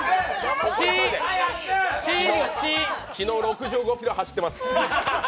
昨日６５ｋｍ走ってます。